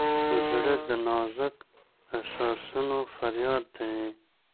زړه د نازک احساسونو فریاد دی.